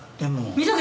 溝口！